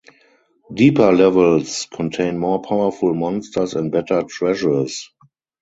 Deeper levels contain more powerful monsters and better treasures.